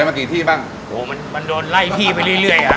มากี่ที่บ้างโหมันมันโดนไล่ที่ไปเรื่อยเรื่อยอ่ะ